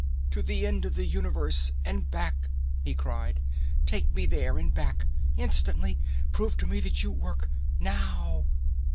"To the end of the universe and back!" he cried. "Take me there and back. Instantly. Prove to me that you work! Now...."